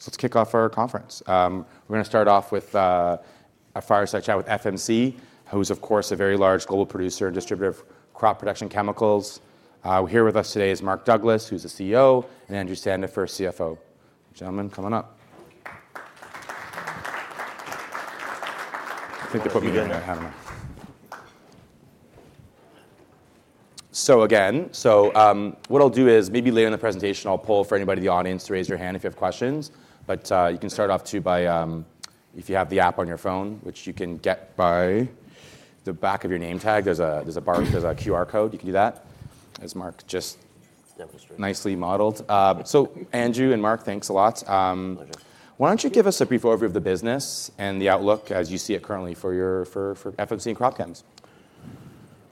So let's kick off our conference. We're gonna start off with a fireside chat with FMC, who's of course a very large global producer and distributor of crop production chemicals. Here with us today is Mark Douglas, who's the CEO, and Andrew Sandifer, CFO. Gentlemen, come on up. I think they put me here. I don't know. What I'll do is maybe later in the presentation I'll poll for anybody in the audience to raise your hand if you have questions, but you can start off too by if you have the app on your phone, which you can get by the back of your name tag, there's a bar, there's a QR code, you can do that, as Mark just- Demonstrated... nicely modeled. So Andrew and Mark, thanks a lot. Pleasure. Why don't you give us a brief overview of the business and the outlook as you see it currently for your FMC and crop chems?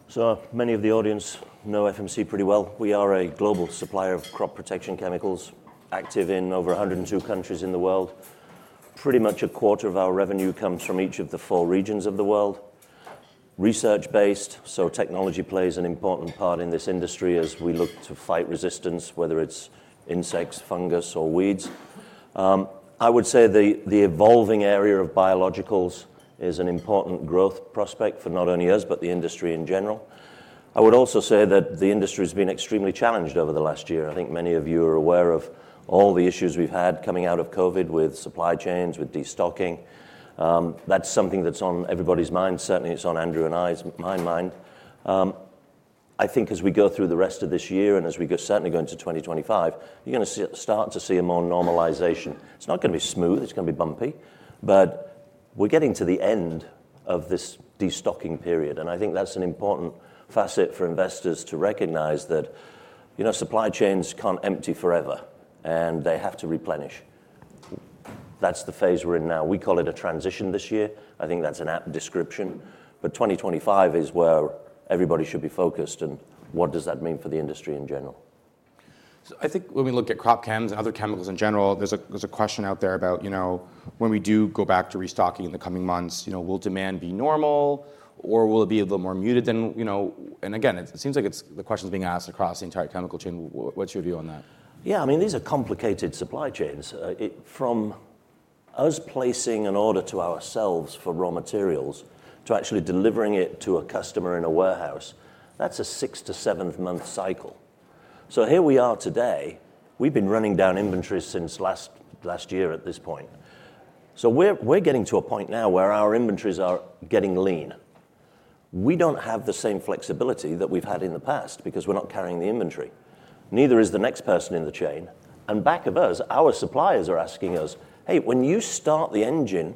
So many of the audience know FMC pretty well. We are a global supplier of crop protection chemicals, active in over 102 countries in the world. Pretty much a quarter of our revenue comes from each of the four regions of the world. Research-based, so technology plays an important part in this industry as we look to fight resistance, whether it's insects, fungus, or weeds. I would say the evolving area of biologicals is an important growth prospect for not only us, but the industry in general. I would also say that the industry's been extremely challenged over the last year. I think many of you are aware of all the issues we've had coming out of COVID with supply chains, with destocking. That's something that's on everybody's mind. Certainly it's on Andrew and I's, my mind. I think as we go through the rest of this year, and as we go, certainly go into 2025, you're gonna see, start to see a more normalization. It's not gonna be smooth, it's gonna be bumpy, but we're getting to the end of this destocking period, and I think that's an important facet for investors to recognize that, you know, supply chains can't empty forever, and they have to replenish. That's the phase we're in now. We call it a transition this year. I think that's an apt description, but 2025 is where everybody should be focused, and what does that mean for the industry in general? So I think when we look at crop chems and other chemicals in general, there's a question out there about, you know, when we do go back to restocking in the coming months, you know, will demand be normal, or will it be a little more muted than... you know? And again, it seems like it's the question's being asked across the entire chemical chain. What's your view on that? Yeah, I mean, these are complicated supply chains. From us placing an order to ourselves for raw materials, to actually delivering it to a customer in a warehouse, that's a six- to seven-month cycle. So here we are today, we've been running down inventory since last year at this point. So we're getting to a point now where our inventories are getting lean. We don't have the same flexibility that we've had in the past because we're not carrying the inventory. Neither is the next person in the chain, and back of us, our suppliers are asking us: "Hey, when you start the engine,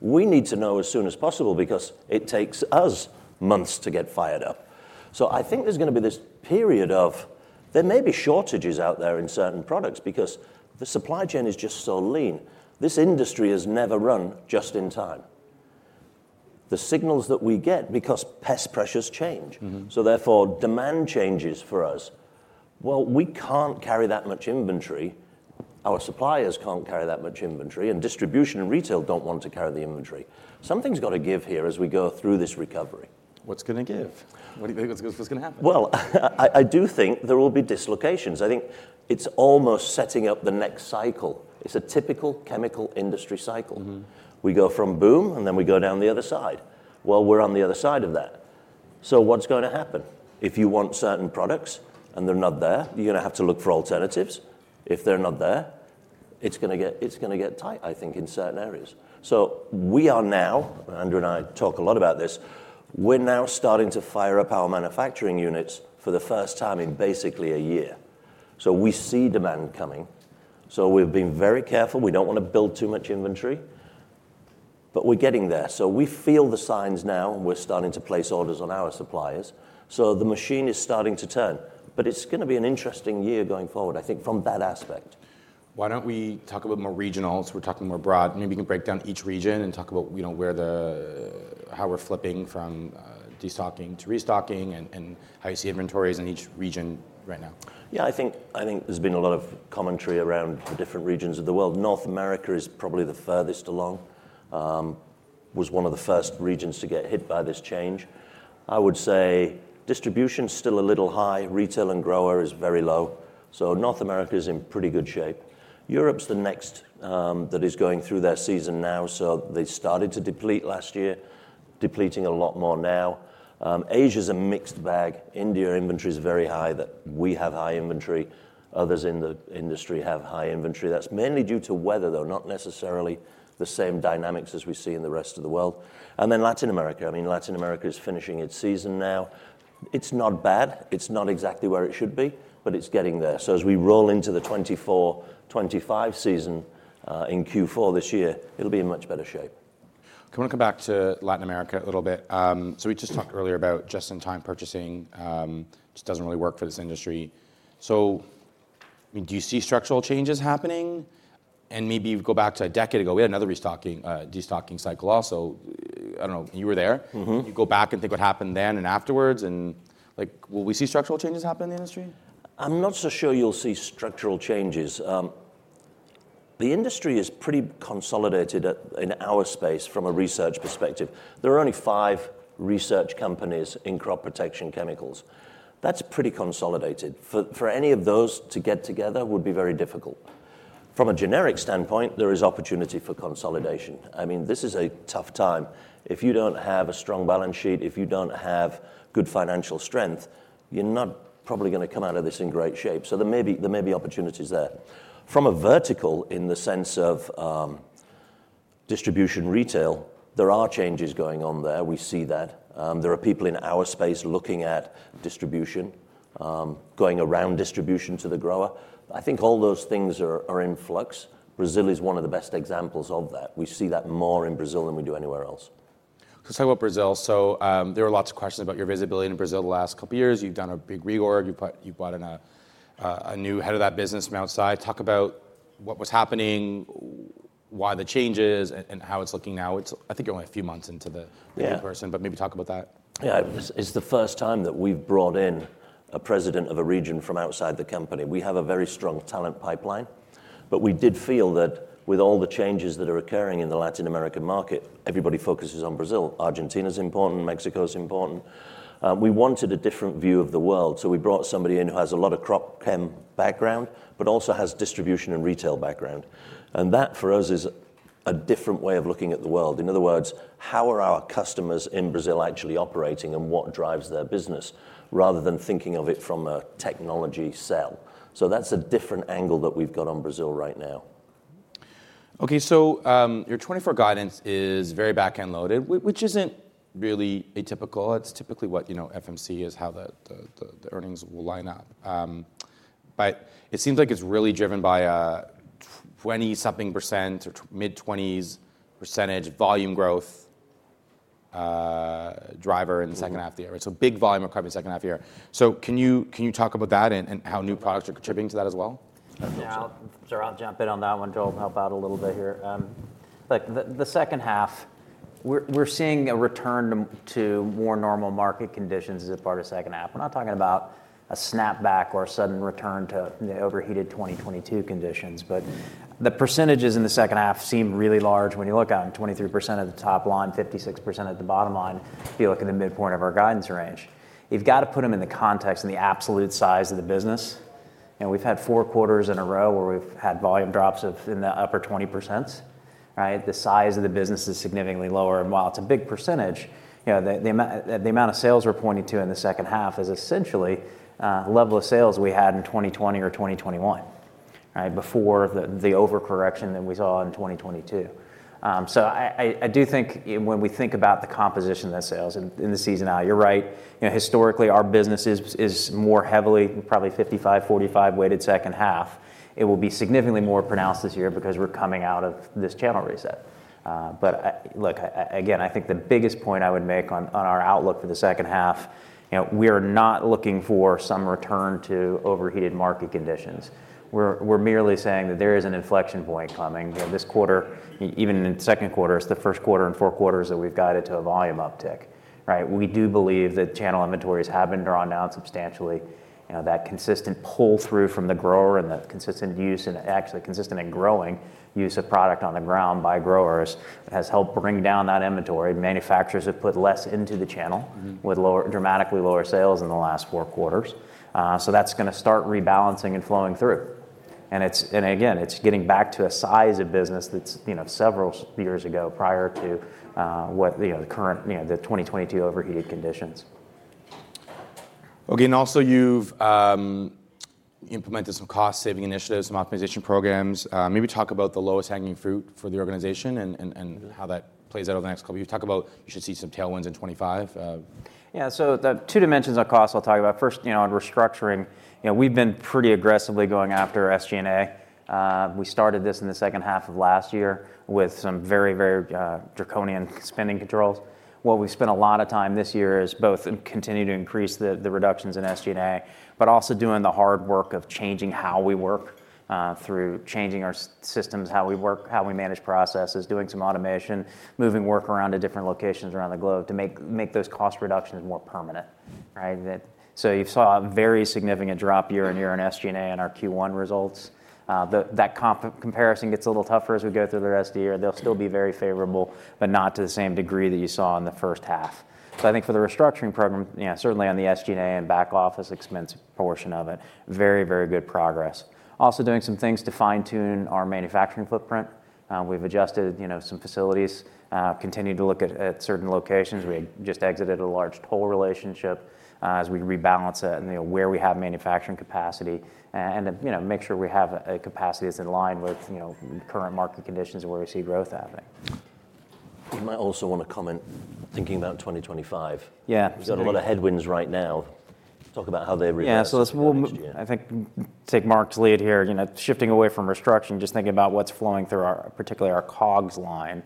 we need to know as soon as possible because it takes us months to get fired up." So I think there's gonna be this period of, there may be shortages out there in certain products because the supply chain is just so lean. This industry has never run just in time. The signals that we get, because pest pressures change- Mm-hmm... so therefore, demand changes for us. Well, we can't carry that much inventory, our suppliers can't carry that much inventory, and distribution and retail don't want to carry the inventory. Something's got to give here as we go through this recovery. What's gonna give? What do you think is gonna happen? Well, I do think there will be dislocations. I think it's almost setting up the next cycle. It's a typical chemical industry cycle. Mm-hmm. We go from boom, and then we go down the other side. Well, we're on the other side of that. So what's going to happen? If you want certain products and they're not there, you're gonna have to look for alternatives. If they're not there, it's gonna get, it's gonna get tight, I think, in certain areas. So we are now, Andrew and I talk a lot about this, we're now starting to fire up our manufacturing units for the first time in basically a year. So we see demand coming, so we've been very careful. We don't want to build too much inventory, but we're getting there. So we feel the signs now, and we're starting to place orders on our suppliers, so the machine is starting to turn. But it's gonna be an interesting year going forward, I think, from that aspect. Why don't we talk a bit more regional, so we're talking more broad, and maybe you can break down each region and talk about, you know, where the, how we're flipping from destocking to restocking, and how you see inventories in each region right now. Yeah, I think, I think there's been a lot of commentary around the different regions of the world. North America is probably the furthest along. Was one of the first regions to get hit by this change. I would say distribution is still a little high, retail and grower is very low, so North America is in pretty good shape. Europe's the next that is going through their season now, so they started to deplete last year, depleting a lot more now. Asia's a mixed bag. India inventory is very high, that we have high inventory, others in the industry have high inventory. That's mainly due to weather, though, not necessarily the same dynamics as we see in the rest of the world. And then Latin America, I mean, Latin America is finishing its season now. It's not bad. It's not exactly where it should be, but it's getting there. So as we roll into the 2024, 2025 season, in Q4 this year, it'll be in much better shape. I want to come back to Latin America a little bit. So we just talked earlier about just-in-time purchasing, just doesn't really work for this industry. So, I mean, do you see structural changes happening? And maybe go back to a decade ago, we had another restocking, destocking cycle also. I don't know. You were there? Mm-hmm. You go back and think what happened then and afterwards, and like, will we see structural changes happen in the industry? I'm not so sure you'll see structural changes. The industry is pretty consolidated at, in our space from a research perspective. There are only five research companies in crop protection chemicals. That's pretty consolidated. For any of those to get together would be very difficult. From a generic standpoint, there is opportunity for consolidation. I mean, this is a tough time. If you don't have a strong balance sheet, if you don't have good financial strength, you're not probably gonna come out of this in great shape. So there may be, there may be opportunities there. From a vertical, in the sense of, distribution retail, there are changes going on there, we see that. There are people in our space looking at distribution, going around distribution to the grower. I think all those things are, are in flux. Brazil is one of the best examples of that. We see that more in Brazil than we do anywhere else. Let's talk about Brazil. There are lots of questions about your visibility in Brazil the last couple of years. You've done a big reorg, you brought in a new head of that business from outside. Talk about what was happening, why the changes, and how it's looking now. It's, I think, only a few months into the- Yeah New person, but maybe talk about that. Yeah, this is the first time that we've brought in a president of a region from outside the company. We have a very strong talent pipeline, but we did feel that with all the changes that are occurring in the Latin American market, everybody focuses on Brazil. Argentina's important, Mexico's important. We wanted a different view of the world, so we brought somebody in who has a lot of crop chem background, but also has distribution and retail background. And that, for us, is a different way of looking at the world. In other words, how are our customers in Brazil actually operating and what drives their business, rather than thinking of it from a technology sell? So that's a different angle that we've got on Brazil right now. Okay, so, your 2024 guidance is very back-end loaded, which isn't really atypical. It's typically what, you know, FMC is, how the earnings will line up. But it seems like it's really driven by a 20% something, or mid-20% volume growth driver in the second half of the year. Mm. So big volume recovery in the second half of the year. So can you, can you talk about that and, and how new products are contributing to that as well? Yeah, sure, I'll jump in on that one, Joel, and help out a little bit here. Look, the second half, we're seeing a return to more normal market conditions as a part of second half. We're not talking about a snapback or a sudden return to the overheated 2022 conditions, but the percentages in the second half seem really large when you look at them, 23% at the top line, 56% at the bottom line, if you look at the midpoint of our guidance range. You've got to put them in the context and the absolute size of the business, and we've had four quarters in a row where we've had volume drops of in the upper 20%, right? The size of the business is significantly lower, and while it's a big percentage, you know, the amount of sales we're pointing to in the second half is essentially the level of sales we had in 2020 or 2021, right? Before the overcorrection that we saw in 2022. So I do think when we think about the composition of the sales in the seasonality, you're right. You know, historically, our business is more heavily, probably 55-45 weighted second half. It will be significantly more pronounced this year because we're coming out of this channel reset. But I... Look, again, I think the biggest point I would make on our outlook for the second half, you know, we are not looking for some return to overheated market conditions. We're merely saying that there is an inflection point coming. You know, this quarter, even in the second quarter, it's the first quarter in four quarters that we've guided to a volume uptick, right? We do believe that channel inventories have been drawn down substantially. You know, that consistent pull-through from the grower and the consistent use and actually consistent and growing use of product on the ground by growers, has helped bring down that inventory. Manufacturers have put less into the channel- Mm-hmm... with lower, dramatically lower sales in the last four quarters. So that's gonna start rebalancing and flowing through. And it's, and again, it's getting back to a size of business that's, you know, several years ago, prior to, what, you know, the current, you know, the 2022 overheated conditions. Okay, and also you've implemented some cost-saving initiatives, some optimization programs. Maybe talk about the lowest hanging fruit for the organization and- Mm... how that plays out over the next couple years. You talk about you should see some tailwinds in 2025. Yeah, so the two dimensions of cost I'll talk about. First, you know, on restructuring, you know, we've been pretty aggressively going after SG&A. We started this in the second half of last year with some very, very draconian spending controls. What we spent a lot of time this year is both in continuing to increase the reductions in SG&A, but also doing the hard work of changing how we work through changing our systems, how we work, how we manage processes, doing some automation, moving work around to different locations around the globe to make those cost reductions more permanent, right? So you saw a very significant drop year-on-year on SG&A in our Q1 results. That comparison gets a little tougher as we go through the rest of the year. They'll still be very favorable, but not to the same degree that you saw in the first half. So I think for the restructuring program, yeah, certainly on the SG&A and back office expense portion of it, very, very good progress. Also, doing some things to fine-tune our manufacturing footprint. We've adjusted, you know, some facilities, continued to look at certain locations. We just exited a large toll relationship, as we rebalance it and, you know, where we have manufacturing capacity and, you know, make sure we have a capacity that's in line with, you know, current market conditions and where we see growth happening. You might also want to comment, thinking about 2025. Yeah. We've got a lot of headwinds right now. Talk about how they reverse- Yeah, so let's- -next year. I think, take Mark's lead here, you know, shifting away from restructuring, just thinking about what's flowing through our, particularly our COGS line.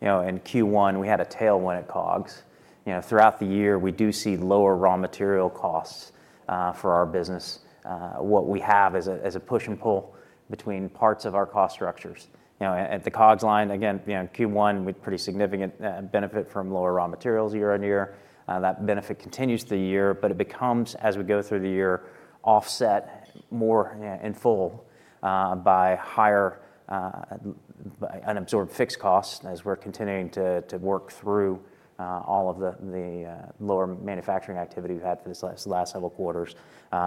You know, in Q1, we had a tailwind at COGS. You know, throughout the year, we do see lower raw material costs for our business. What we have is a push and pull between parts of our cost structures. You know, at the COGS line, again, you know, Q1, with pretty significant benefit from lower raw materials year on year. That benefit continues through the year, but it becomes, as we go through the year, offset more, yeah, in full by higher unabsorbed fixed costs as we're continuing to work through all of the lower manufacturing activity we've had for these last several quarters.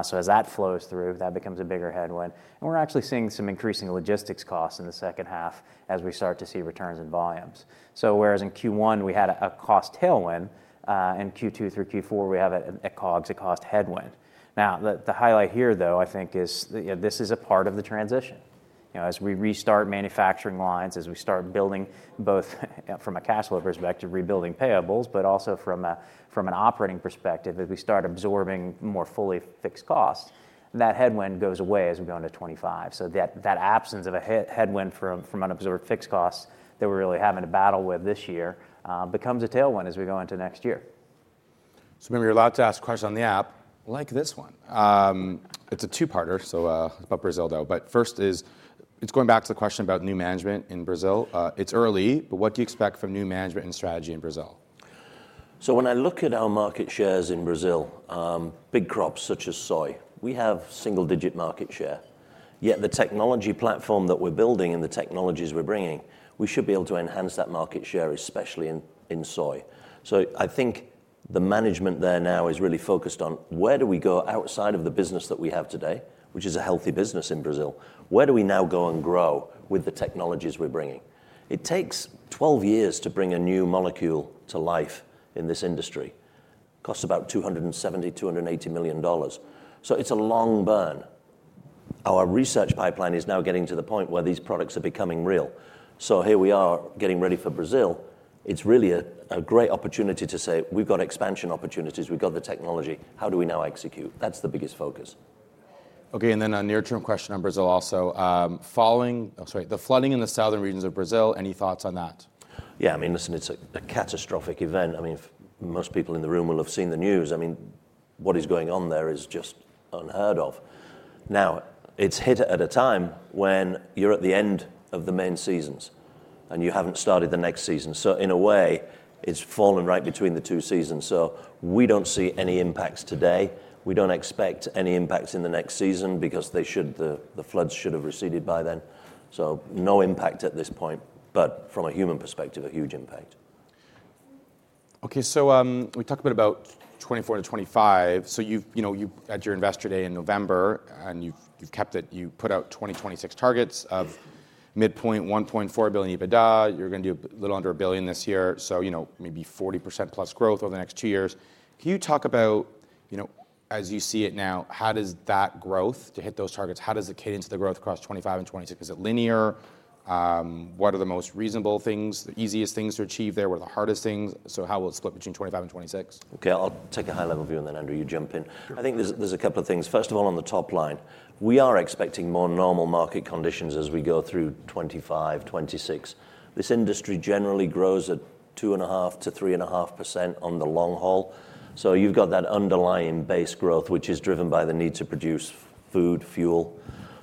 So as that flows through, that becomes a bigger headwind. And we're actually seeing some increasing logistics costs in the second half as we start to see returns in volumes. So whereas in Q1, we had a cost tailwind, in Q2 through Q4, we have a COGS, a cost headwind. Now, the highlight here, though, I think is, you know, this is a part of the transition. You know, as we restart manufacturing lines, as we start building, both from a cash flow perspective, rebuilding payables, but also from an operating perspective, as we start absorbing more fully fixed costs, that headwind goes away as we go into 2025. So that absence of a headwind from unabsorbed fixed costs that we're really having to battle with this year becomes a tailwind as we go into next year. So remember, you're allowed to ask questions on the app, like this one. It's a two-parter, so about Brazil, though. But first is... It's going back to the question about new management in Brazil. It's early, but what do you expect from new management and strategy in Brazil? So when I look at our market shares in Brazil, big crops such as soy, we have single-digit market share. Yet the technology platform that we're building and the technologies we're bringing, we should be able to enhance that market share, especially in soy. So I think the management there now is really focused on: where do we go outside of the business that we have today, which is a healthy business in Brazil? Where do we now go and grow with the technologies we're bringing? It takes 12 years to bring a new molecule to life in this industry. Costs about $270 million-$280 million. So it's a long burn. Our research pipeline is now getting to the point where these products are becoming real. So here we are, getting ready for Brazil. It's really a great opportunity to say: We've got expansion opportunities, we've got the technology. How do we now execute? That's the biggest focus. Okay, and then a near-term question on Brazil also: following, I'm sorry, the flooding in the southern regions of Brazil, any thoughts on that? Yeah, I mean, listen, it's a catastrophic event. I mean, if most people in the room will have seen the news, I mean, what is going on there is just unheard of. Now, it's hit at a time when you're at the end of the main seasons, and you haven't started the next season. So in a way, it's fallen right between the two seasons. So we don't see any impacts today. We don't expect any impacts in the next season because the floods should have receded by then. So no impact at this point, but from a human perspective, a huge impact. Okay, so we talked about 2024 to 2025. So you've, you know, you've had your Investor Day in November, and you've, you've kept it. You put out 2026 targets of midpoint $1.4 billion EBITDA. You're gonna do a little under $1 billion this year, so, you know, maybe 40%+ growth over the next two years. Can you talk about, you know, as you see it now, how does that growth, to hit those targets, how does it cater to the growth across 2025 and 2026? Is it linear? What are the most reasonable things, the easiest things to achieve there, what are the hardest things? So how will it split between 2025 and 2026? Okay, I'll take a high-level view, and then, Andrew, you jump in. Sure. I think there's a couple of things. First of all, on the top line, we are expecting more normal market conditions as we go through 2025, 2026. This industry generally grows at 2.5%-3.5% on the long haul. So you've got that underlying base growth, which is driven by the need to produce food, fuel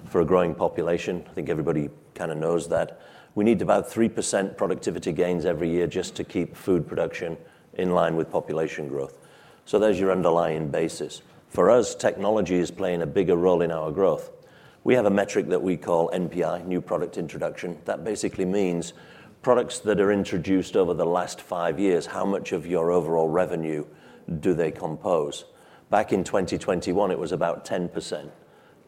for a growing population. I think everybody kinda knows that. We need about 3% productivity gains every year just to keep food production in line with population growth. So there's your underlying basis. For us, technology is playing a bigger role in our growth. We have a metric that we call NPI, New Product Introduction. That basically means products that are introduced over the last five years, how much of your overall revenue do they compose? Back in 2021, it was about 10%.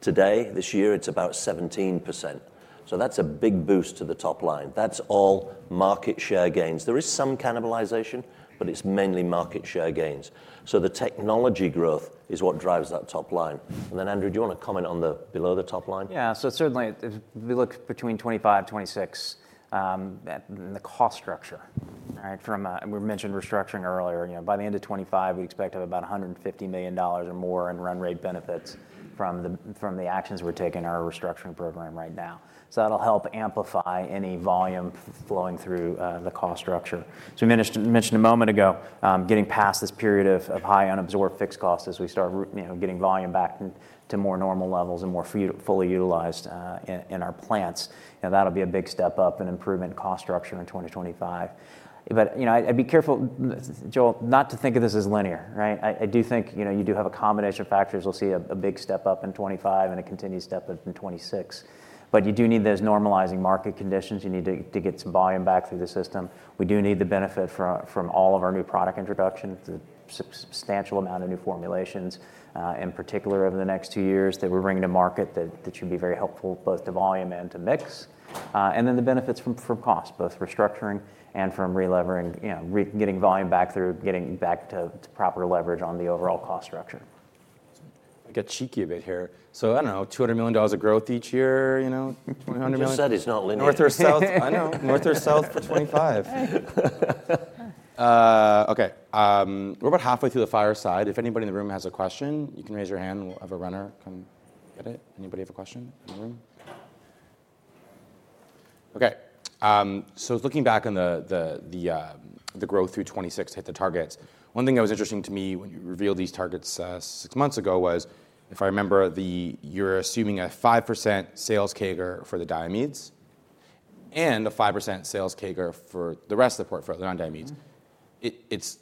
Today, this year, it's about 17%. So that's a big boost to the top line. That's all market share gains. There is some cannibalization, but it's mainly market share gains. So the technology growth is what drives that top line. And then, Andrew, do you want to comment on the below the top line? Yeah, so certainly, if we look between 2025, 2026, at the cost structure, all right, from. We mentioned restructuring earlier. You know, by the end of 2025, we expect to have about $150 million or more in run rate benefits from the actions we're taking in our restructuring program right now. So that'll help amplify any volume flowing through the cost structure. So we mentioned a moment ago getting past this period of high unabsorbed fixed costs as we start you know, getting volume back to more normal levels and more fully utilized in our plants. And that'll be a big step up and improvement in cost structure in 2025. But, you know, I'd be careful, Joel, not to think of this as linear, right? I do think, you know, you do have a combination of factors. We'll see a big step up in 2025 and a continued step up in 2026. But you do need those normalizing market conditions. You need to get some volume back through the system. We do need the benefit from all of our new product introductions, a substantial amount of new formulations, in particular, over the next two years, that we're bringing to market that should be very helpful, both to volume and to mix. And then the benefits from cost, both restructuring and from relevering, you know, getting volume back through, getting back to proper leverage on the overall cost structure. I'll get cheeky a bit here. So I don't know, $200 million of growth each year, you know, $200 million- I just said it's not linear. North or south... I know. North or south for 2025. Okay, we're about halfway through the fireside. If anybody in the room has a question, you can raise your hand and we'll have a runner come get it. Anybody have a question in the room? Okay, so looking back on the growth through 2026 to hit the targets, one thing that was interesting to me when you revealed these targets, six months ago, was, if I remember, you're assuming a 5% sales CAGR for the diamides... and a 5% sales CAGR for the rest of the portfolio, non-diamides. It's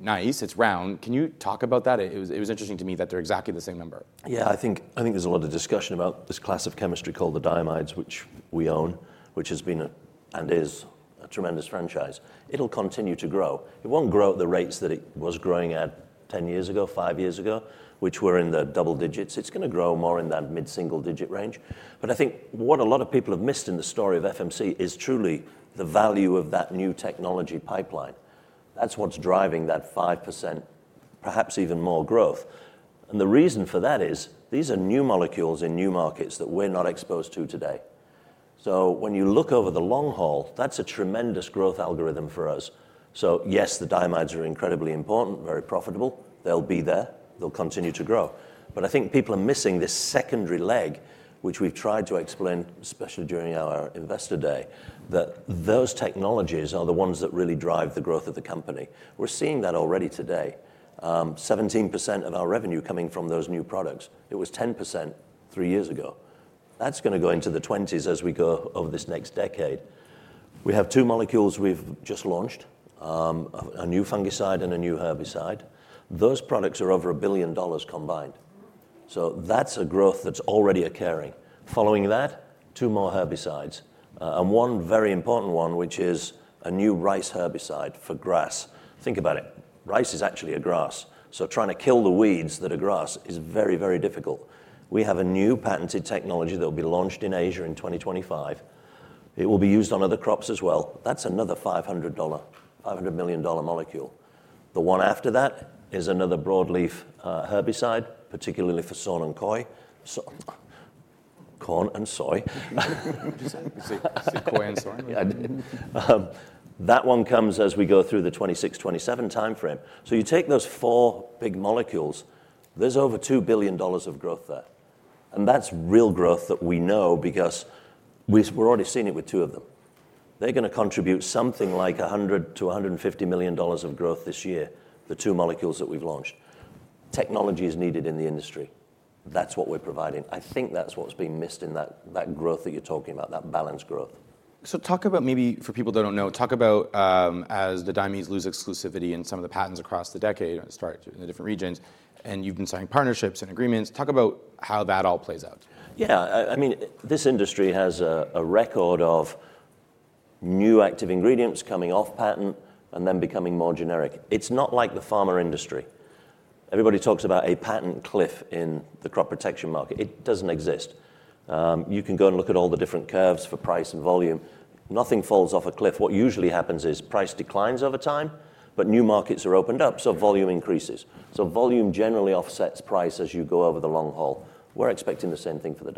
nice, it's round. Can you talk about that? It was interesting to me that they're exactly the same number. Yeah, I think, I think there's a lot of discussion about this class of chemistry called the diamides, which we own, which has been a, and is, a tremendous franchise. It'll continue to grow. It won't grow at the rates that it was growing at 10 years ago, five years ago, which were in the double digits. It's gonna grow more in that mid-single digit range. But I think what a lot of people have missed in the story of FMC is truly the value of that new technology pipeline. That's what's driving that 5%, perhaps even more growth. And the reason for that is, these are new molecules in new markets that we're not exposed to today. So when you look over the long haul, that's a tremendous growth algorithm for us. So yes, the diamides are incredibly important, very profitable. They'll be there, they'll continue to grow. But I think people are missing this secondary leg, which we've tried to explain, especially during our Investor Day, that those technologies are the ones that really drive the growth of the company. We're seeing that already today, 17% of our revenue coming from those new products. It was 10% three years ago. That's gonna go into the 20s as we go over this next decade. We have two molecules we've just launched, a new fungicide and a new herbicide. Those products are over $1 billion combined. So that's a growth that's already occurring. Following that, two more herbicides, and one very important one, which is a new rice herbicide for grass. Think about it, rice is actually a grass, so trying to kill the weeds that are grass is very, very difficult. We have a new patented technology that will be launched in Asia in 2025. It will be used on other crops as well. That's another $500 million molecule. The one after that is another broadleaf herbicide, particularly for corn and soy. What'd you say? You said koi and soy? Yeah, I did. That one comes as we go through the 2026, 2027 time frame. So you take those four big molecules, there's over $2 billion of growth there, and that's real growth that we know because we're already seeing it with two of them. They're gonna contribute something like $100 million-$150 million of growth this year, the two molecules that we've launched. Technology is needed in the industry. That's what we're providing. I think that's what's been missed in that, that growth that you're talking about, that balanced growth. Talk about maybe for people that don't know, talk about, as the diamides lose exclusivity in some of the patents across the decade, and start in the different regions, and you've been signing partnerships and agreements, talk about how that all plays out. Yeah, I mean, this industry has a record of new active ingredients coming off patent and then becoming more generic. It's not like the farmer industry. Everybody talks about a patent cliff in the crop protection market. It doesn't exist. You can go and look at all the different curves for price and volume. Nothing falls off a cliff. What usually happens is price declines over time, but new markets are opened up, so volume increases. So volume generally offsets price as you go over the long haul. We're expecting the same thing for the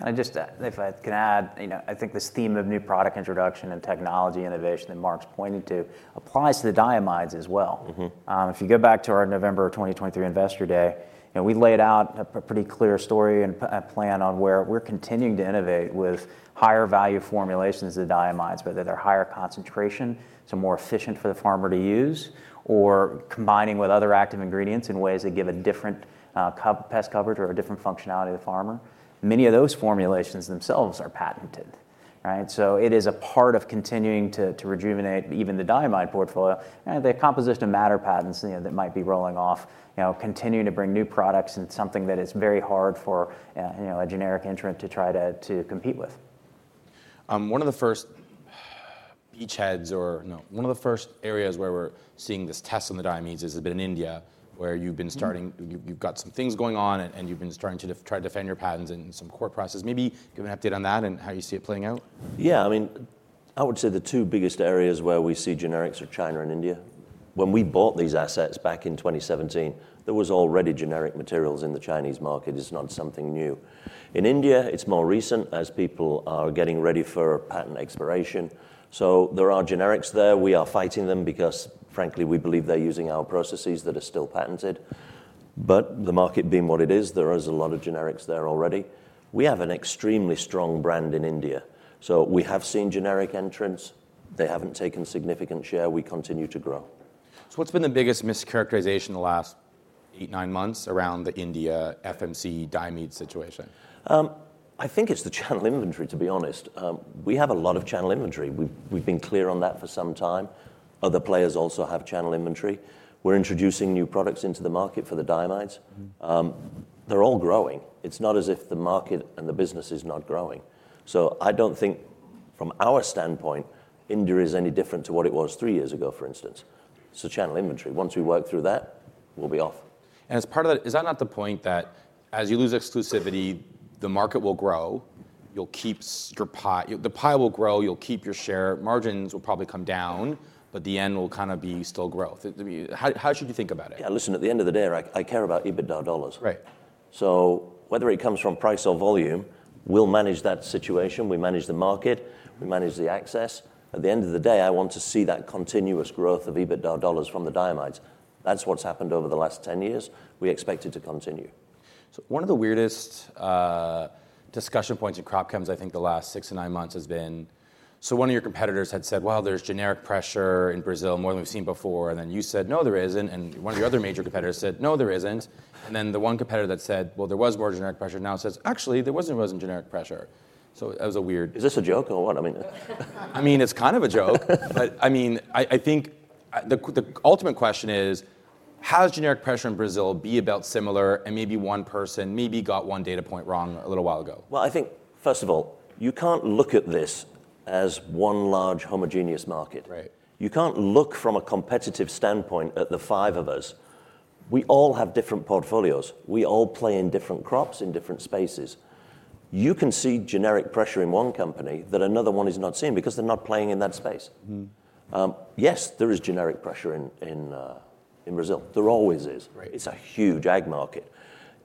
diamides. I just, if I can add, you know, I think this theme of new product introduction and technology innovation that Mark's pointing to applies to the diamides as well. Mm-hmm. If you go back to our November 2023 Investor Day, and we laid out a pretty clear story and a plan on where we're continuing to innovate with higher value formulations of the diamides, whether they're higher concentration, so more efficient for the farmer to use, or combining with other active ingredients in ways that give a different co-pest coverage or a different functionality to the farmer. Many of those formulations themselves are patented, right? So it is a part of continuing to rejuvenate even the Diamide portfolio. And the composition of matter patents, you know, that might be rolling off, you know, continuing to bring new products, and it's something that is very hard for, you know, a generic entrant to try to compete with. One of the first beachheads, or no, one of the first areas where we're seeing this test on the diamides has been in India, where you've been starting- Mm. You've got some things going on, and you've been starting to defend your patents in some court processes. Maybe give an update on that and how you see it playing out. Yeah, I mean, I would say the two biggest areas where we see generics are China and India. When we bought these assets back in 2017, there was already generic materials in the Chinese market. It's not something new. In India, it's more recent, as people are getting ready for patent expiration. So there are generics there. We are fighting them because, frankly, we believe they're using our processes that are still patented. But the market being what it is, there is a lot of generics there already. We have an extremely strong brand in India, so we have seen generic entrants. They haven't taken significant share. We continue to grow. What's been the biggest mischaracterization in the last eight-nine months around the India FMC diamide situation? I think it's the channel inventory, to be honest. We have a lot of channel inventory. We've been clear on that for some time. Other players also have channel inventory. We're introducing new products into the market for the diamides. Mm. They're all growing. It's not as if the market and the business is not growing. So I don't think from our standpoint, India is any different to what it was three years ago, for instance. So channel inventory, once we work through that, we'll be off. As part of that, is that not the point that as you lose exclusivity, the market will grow, you'll keep your pie, the pie will grow, you'll keep your share, margins will probably come down, but the end will kind of be still growth? How, how should you think about it? Yeah, listen, at the end of the day, I, I care about EBITDA dollars. Right. Whether it comes from price or volume, we'll manage that situation. We manage the market, we manage the access. At the end of the day, I want to see that continuous growth of EBITDA dollars from the diamides. That's what's happened over the last 10 years. We expect it to continue. So one of the weirdest discussion points at crop chems, I think the last six to nine months has been so one of your competitors had said, "Well, there's generic pressure in Brazil, more than we've seen before." And then you said, "No, there isn't." And one of your other major competitors said, "No, there isn't." And then the one competitor that said, "Well, there was more generic pressure," now says, "Actually, there wasn't, wasn't generic pressure." So that was a weird- Is this a joke or what? I mean... I mean, it's kind of a joke. But, I mean, I think, the ultimate question is: how does generic pressure in Brazil be about similar, and maybe one person maybe got one data point wrong a little while ago? Well, I think, first of all, you can't look at this as one large homogeneous market. Right. You can't look from a competitive standpoint at the five of us. We all have different portfolios. We all play in different crops, in different spaces. You can see generic pressure in one company that another one is not seeing, because they're not playing in that space. Mm-hmm. Yes, there is generic pressure in Brazil. There always is. Right. It's a huge ag market.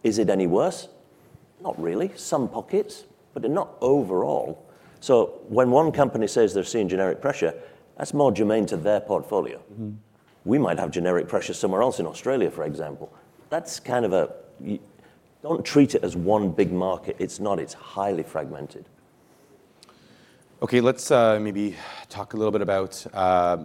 Is it any worse? Not really. Some pockets, but not overall. So when one company says they're seeing generic pressure, that's more germane to their portfolio. Mm-hmm. We might have generic pressure somewhere else, in Australia, for example. That's kind of don't treat it as one big market. It's not, it's highly fragmented. Okay, let's maybe talk a little bit about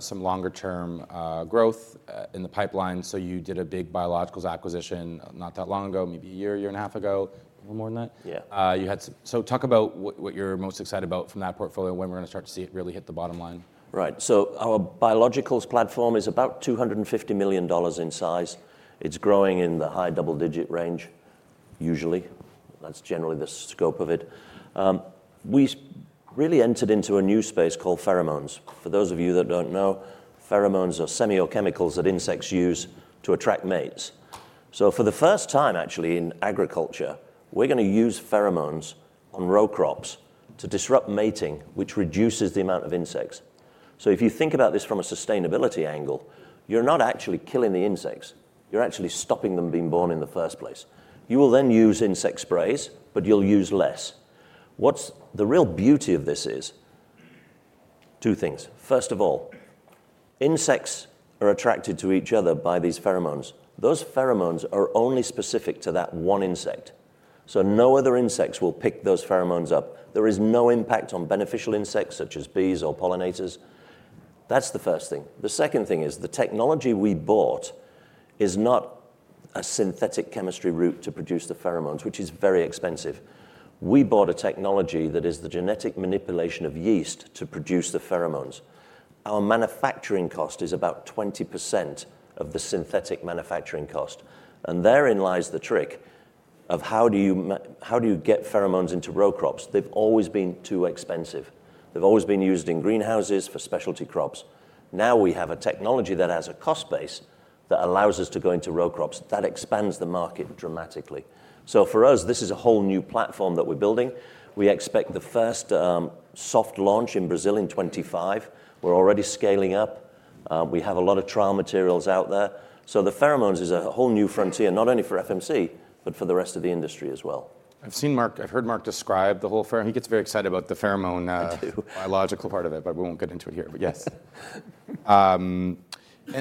some longer term growth in the pipeline. So you did a big biologicals acquisition not that long ago, maybe a year, year and a half ago, or more than that? Yeah. Talk about what, what you're most excited about from that portfolio, and when we're gonna start to see it really hit the bottom line. Right. So our biologicals platform is about $250 million in size. It's growing in the high double-digit range, usually. That's generally the scope of it. We really entered into a new space called pheromones. For those of you that don't know, pheromones are semiochemicals that insects use to attract mates. So for the first time, actually, in agriculture, we're gonna use pheromones on row crops to disrupt mating, which reduces the amount of insects. So if you think about this from a sustainability angle, you're not actually killing the insects, you're actually stopping them being born in the first place. You will then use insect sprays, but you'll use less. What's the real beauty of this is two things. First of all, insects are attracted to each other by these pheromones. Those pheromones are only specific to that one insect, so no other insects will pick those pheromones up. There is no impact on beneficial insects, such as bees or pollinators. That's the first thing. The second thing is, the technology we bought is not a synthetic chemistry route to produce the pheromones, which is very expensive. We bought a technology that is the genetic manipulation of yeast to produce the pheromones. Our manufacturing cost is about 20% of the synthetic manufacturing cost, and therein lies the trick of how do you get pheromones into row crops? They've always been too expensive. They've always been used in greenhouses for specialty crops. Now, we have a technology that has a cost base that allows us to go into row crops. That expands the market dramatically. So for us, this is a whole new platform that we're building. We expect the first soft launch in Brazil in 2025. We're already scaling up. We have a lot of trial materials out there. So the pheromones is a whole new frontier, not only for FMC, but for the rest of the industry as well. I've seen Mark, I've heard Mark describe the whole pheromone. He gets very excited about the pheromone. I do... biological part of it, but we won't get into it here. But yes.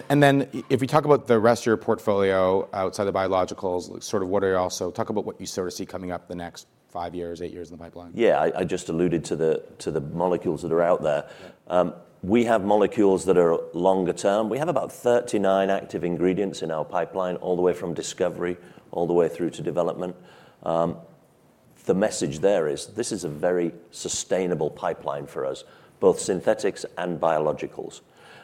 And then if you talk about the rest of your portfolio outside the biologicals, sort of what are you also... Talk about what you sort of see coming up the next five years, eight years in the pipeline. Yeah, I just alluded to the molecules that are out there. Yeah. We have molecules that are longer term. We have about 39 active ingredients in our pipeline, all the way from discovery, all the way through to development. The message there is, this is a very sustainable pipeline for us, both synthetics and biologicals.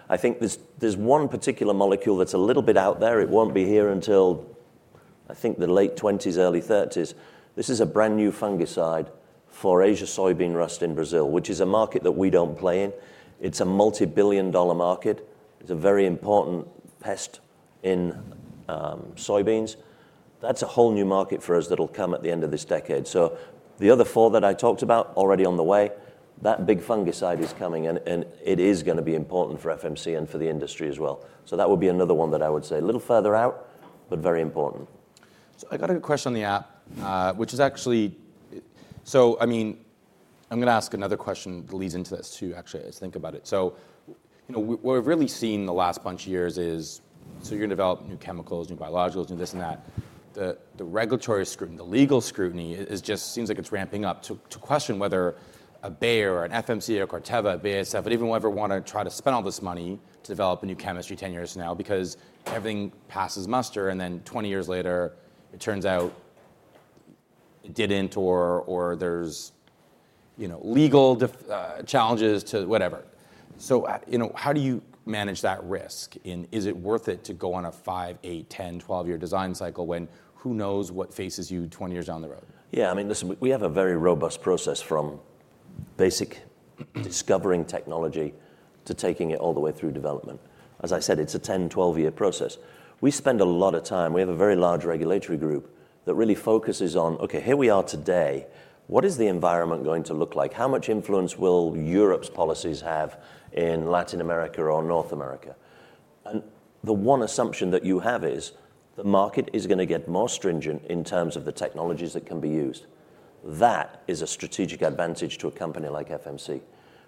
I think there's one particular molecule that's a little bit out there. It won't be here until, I think the late twenties, early thirties. This is a brand-new fungicide for Asian soybean rust in Brazil, which is a market that we don't play in. It's a multi-billion-dollar market. It's a very important pest in soybeans. That's a whole new market for us that'll come at the end of this decade. So the other four that I talked about, already on the way, that big fungicide is coming, and it is gonna be important for FMC and for the industry as well. That would be another one that I would say, a little further out, but very important. So I got a question on the app, which is actually so I mean, I'm gonna ask another question that leads into this too, actually, as I think about it. So you know, what we've really seen the last bunch of years is, so you're gonna develop new chemicals, new biologicals, new this and that. The regulatory scrutiny, the legal scrutiny is just, seems like it's ramping up to question whether a Bayer, or an FMC, or a Corteva, BASF, would even ever wanna try to spend all this money to develop a new chemistry 10 years from now, because everything passes muster, and then 20 years later, it turns out it didn't or, or there's, you know, legal challenges to whatever. So, you know, how do you manage that risk, and is it worth it to go on a five, eight, 10, 12-year design cycle, when who knows what faces you 20 years down the road? Yeah, I mean, listen, we have a very robust process, from basic discovering technology to taking it all the way through development. As I said, it's a 10-12-year process. We spend a lot of time. We have a very large regulatory group that really focuses on, okay, here we are today, what is the environment going to look like? How much influence will Europe's policies have in Latin America or North America? And the one assumption that you have is, the market is gonna get more stringent in terms of the technologies that can be used. That is a strategic advantage to a company like FMC,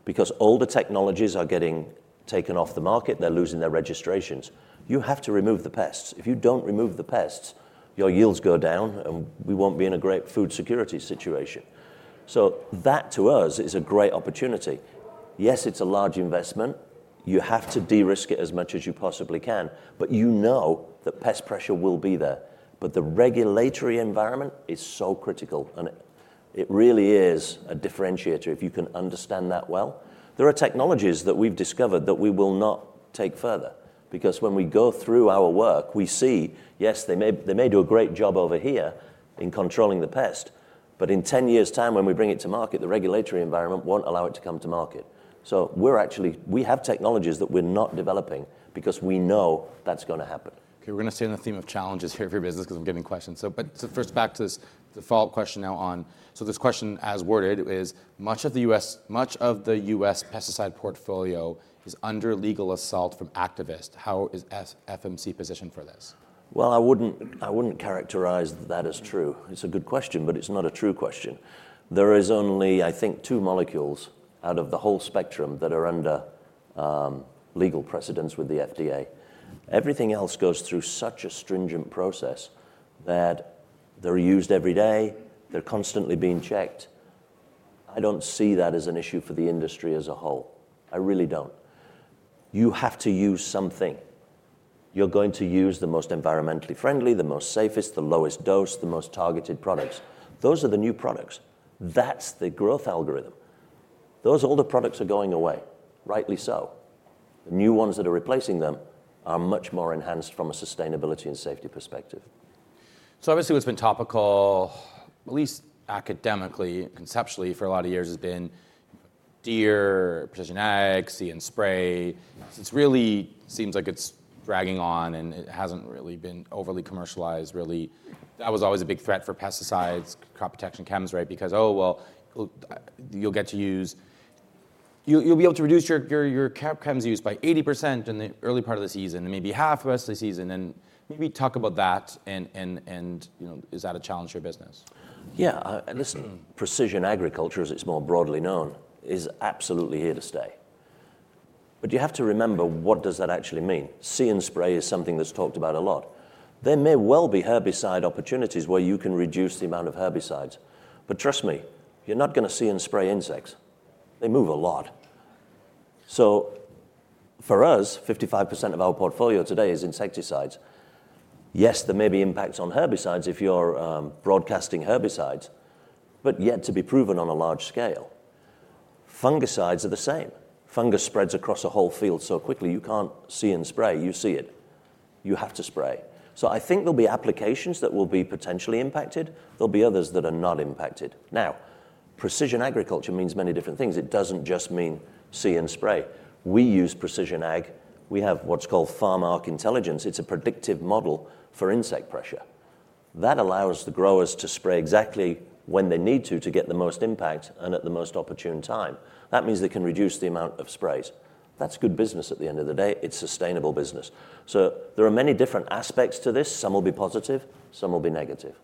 because all the technologies are getting taken off the market, and they're losing their registrations. You have to remove the pests. If you don't remove the pests, your yields go down, and we won't be in a great food security situation. So that, to us, is a great opportunity. Yes, it's a large investment. You have to de-risk it as much as you possibly can, but you know that pest pressure will be there. But the regulatory environment is so critical, and it, it really is a differentiator if you can understand that well. There are technologies that we've discovered that we will not take further, because when we go through our work, we see, yes, they may, they may do a great job over here in controlling the pest, but in ten years' time, when we bring it to market, the regulatory environment won't allow it to come to market. So we're actually, we have technologies that we're not developing because we know that's gonna happen. Okay, we're gonna stay on the theme of challenges here for your business 'cause I'm getting questions. So first, back to this default question now on... So this question, as worded, is: Much of the U.S., much of the U.S. pesticide portfolio is under legal assault from activists. How is FMC positioned for this? Well, I wouldn't, I wouldn't characterize that as true. It's a good question, but it's not a true question. There is only, I think, two molecules out of the whole spectrum that are under legal precedent with the FDA. Everything else goes through such a stringent process, that they're used every day, they're constantly being checked. I don't see that as an issue for the industry as a whole. I really don't. You have to use something. You're going to use the most environmentally friendly, the most safest, the lowest dose, the most targeted products. Those are the new products. That's the growth algorithm. Those older products are going away, rightly so. The new ones that are replacing them are much more enhanced from a sustainability and safety perspective. So obviously, what's been topical, at least academically and conceptually, for a lot of years has been Deere, precision ag, See & Spray. It really seems like it's dragging on, and it hasn't really been overly commercialized really. That was always a big threat for pesticides, crop protection chems, right? Because, oh, well, you'll get to use... You'll be able to reduce your crop chems use by 80% in the early part of the season, and maybe half the rest of the season. And maybe talk about that, and, and, and, you know, is that a challenge to your business? Yeah, and listen, precision agriculture, as it's more broadly known, is absolutely here to stay. But you have to remember, what does that actually mean? See & Spray is something that's talked about a lot. There may well be herbicide opportunities where you can reduce the amount of herbicides, but trust me, you're not gonna see & spray insects. They move a lot. So for us, 55% of our portfolio today is insecticides. Yes, there may be impacts on herbicides if you're broadcasting herbicides, but yet to be proven on a large scale. Fungicides are the same. Fungus spreads across a whole field so quickly, you can't see and spray. You see it, you have to spray. So I think there'll be applications that will be potentially impacted, there'll be others that are not impacted. Now, precision agriculture means many different things. It doesn't just mean see and spray. We use precision ag. We have what's called Arc farm intelligence. It's a predictive model for insect pressure. That allows the growers to spray exactly when they need to, to get the most impact and at the most opportune time. That means they can reduce the amount of sprays. That's good business at the end of the day, it's sustainable business. So there are many different aspects to this. Some will be positive, some will be negative.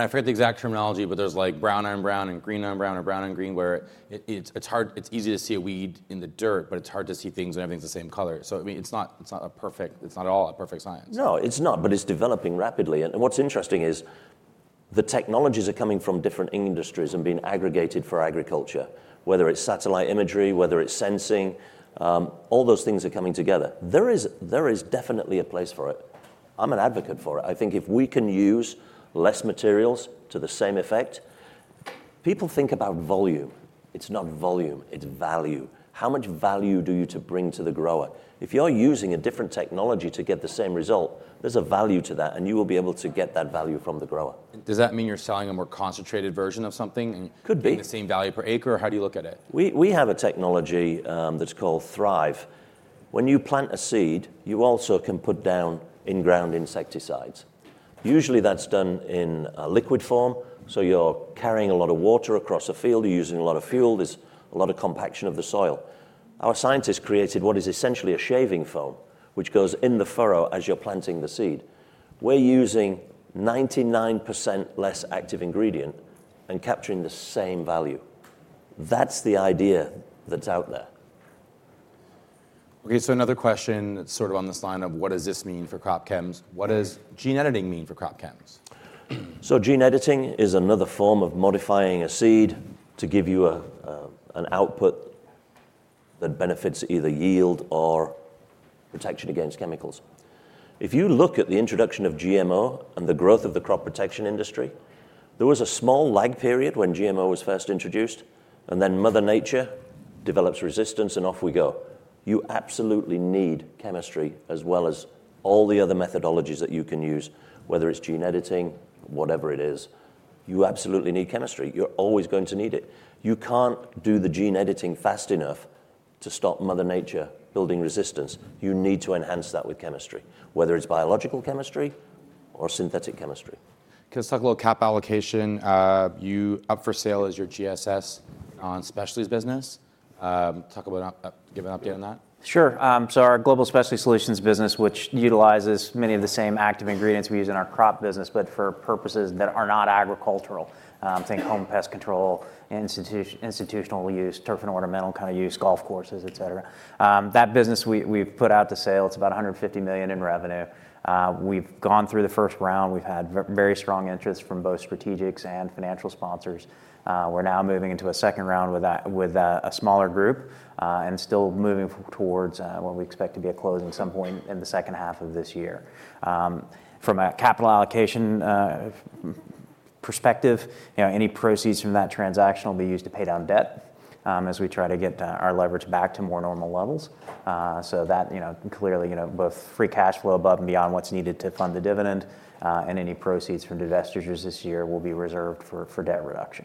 I forget the exact terminology, but there's, like, brown on brown and green on brown or brown on green, where it's hard, it's easy to see a weed in the dirt, but it's hard to see things when everything's the same color. So, I mean, it's not a perfect... It's not at all a perfect science. No, it's not, but it's developing rapidly. And what's interesting is the technologies are coming from different industries and being aggregated for agriculture. Whether it's satellite imagery, whether it's sensing, all those things are coming together. There is definitely a place for it. I'm an advocate for it. I think if we can use less materials to the same effect... People think about volume. It's not volume, it's value. How much value do you to bring to the grower? If you're using a different technology to get the same result, there's a value to that, and you will be able to get that value from the grower. Does that mean you're selling a more concentrated version of something, and- Could be... getting the same value per acre, or how do you look at it? We have a technology that's called 3RIVE. When you plant a seed, you also can put down in-ground insecticides. Usually, that's done in a liquid form, so you're carrying a lot of water across a field, you're using a lot of fuel, there's a lot of compaction of the soil. Our scientists created what is essentially a shaving foam, which goes in the furrow as you're planting the seed. We're using 99% less active ingredient and capturing the same value. That's the idea that's out there. Okay, so another question that's sort of on this line of: What does this mean for crop chems? What does gene editing mean for crop chems? So gene editing is another form of modifying a seed to give you a an output that benefits either yield or protection against chemicals. If you look at the introduction of GMO and the growth of the crop protection industry, there was a small lag period when GMO was first introduced, and then Mother Nature develops resistance, and off we go. You absolutely need chemistry, as well as all the other methodologies that you can use, whether it's gene editing, whatever it is. You absolutely need chemistry. You're always going to need it. You can't do the gene editing fast enough to stop Mother Nature building resistance. You need to enhance that with chemistry, whether it's biological chemistry or synthetic chemistry.... Can we talk a little about capital allocation. Up for sale is your GSS specialties business. Give an update on that. Sure. So our Global Specialty Solutions business, which utilizes many of the same active ingredients we use in our crop business, but for purposes that are not agricultural. Think home pest control, institutional use, turf and ornamental kind of use, golf courses, et cetera. That business, we've put out to sale, it's about $150 million in revenue. We've gone through the first round. We've had very strong interest from both strategics and financial sponsors. We're now moving into a second round with a smaller group, and still moving towards what we expect to be a close at some point in the second half of this year. From a capital allocation perspective, you know, any proceeds from that transaction will be used to pay down debt, as we try to get our leverage back to more normal levels. So that, you know, clearly, you know, both free cash flow above and beyond what's needed to fund the dividend, and any proceeds from divestitures this year will be reserved for debt reduction.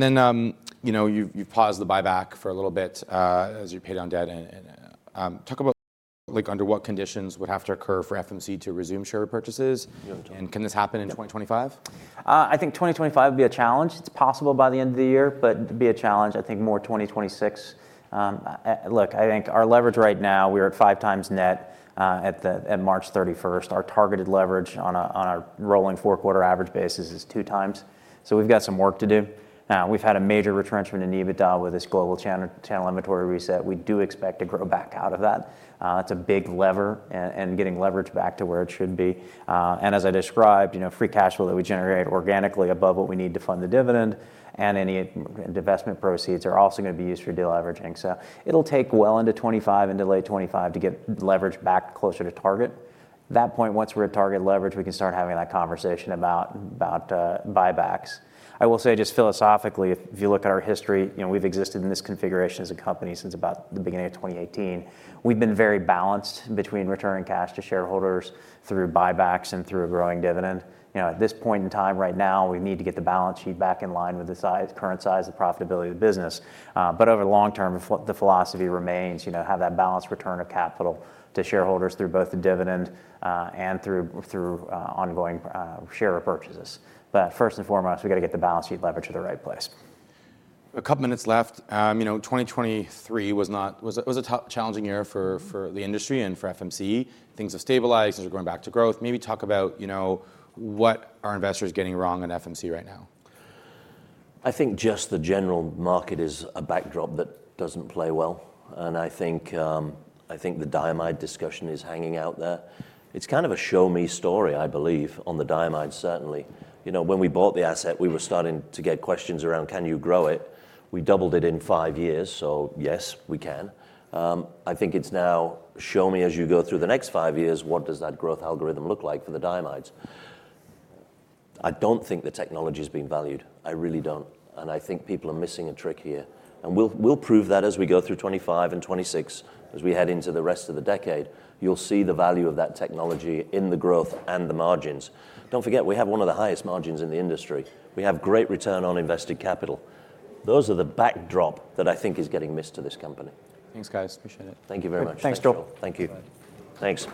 Then, you know, you've paused the buyback for a little bit, as you paid down debt and talk about, like, under what conditions would have to occur for FMC to resume share purchases? Yeah. Can this happen in 2025? I think 2025 will be a challenge. It's possible by the end of the year, but it'll be a challenge. I think more 2026. Look, I think our leverage right now, we're at 5x net, at the, at March 31st. Our targeted leverage on a, on our rolling four quarter average basis is 2x. So we've got some work to do. Now, we've had a major retrenchment in EBITDA with this global channel inventory reset. We do expect to grow back out of that. It's a big lever, and getting leverage back to where it should be. And as I described, you know, free cash flow that we generate organically above what we need to fund the dividend, and any divestment proceeds are also gonna be used for de-leveraging. So it'll take well into 2025 and into late 2025 to get leverage back closer to target. At that point, once we're at target leverage, we can start having that conversation about buybacks. I will say, just philosophically, if you look at our history, you know, we've existed in this configuration as a company since about the beginning of 2018. We've been very balanced between returning cash to shareholders through buybacks and through a growing dividend. You know, at this point in time, right now, we need to get the balance sheet back in line with the current size and profitability of the business. But over the long term, the philosophy remains, you know, have that balanced return of capital to shareholders through both the dividend and through ongoing share purchases. But first and foremost, we gotta get the balance sheet leverage to the right place. A couple minutes left. You know, 2023 was not... It was, it was a tough, challenging year for, for the industry and for FMC. Things have stabilized, things are going back to growth. Maybe talk about, you know, what are investors getting wrong on FMC right now? I think just the general market is a backdrop that doesn't play well, and I think, I think the diamides discussion is hanging out there. It's kind of a show me story, I believe, on the diamides, certainly. You know, when we bought the asset, we were starting to get questions around: Can you grow it? We doubled it in five years, so yes, we can. I think it's now show me as you go through the next five years, what does that growth algorithm look like for the diamides? I don't think the technology is being valued. I really don't, and I think people are missing a trick here. And we'll, we'll prove that as we go through 2025 and 2026. As we head into the rest of the decade, you'll see the value of that technology in the growth and the margins. Don't forget, we have one of the highest margins in the industry. We have great return on invested capital. Those are the backdrop that I think is getting missed to this company. Thanks, guys. Appreciate it. Thank you very much. Thanks, Joe. Thank you. Thanks.